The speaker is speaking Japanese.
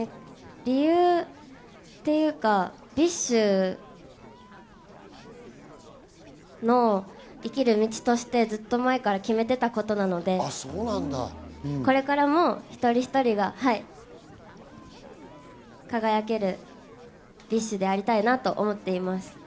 理由っていうか、ＢｉＳＨの生きる道として、ずっと前から決めていたことなので、これからも一人一人が輝けるＢｉＳＨでありたいなと思っています。